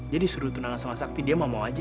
dia disuruh tunangan sama sakti dia mau aja